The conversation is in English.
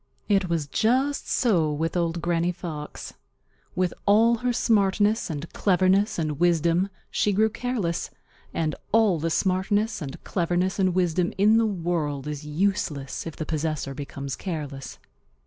It was just so with Old Granny Fox. With all her smartness and cleverness and wisdom she grew careless, and all the smartness and cleverness and wisdom in the world is useless if the possessor becomes careless.